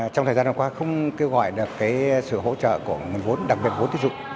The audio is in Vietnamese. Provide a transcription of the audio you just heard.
trong thời gian đồng hóa không kêu gọi được sự hỗ trợ của nguồn vốn đặc biệt vốn tiêu dụng